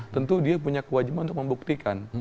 tentu dia punya kewajiban untuk membuktikan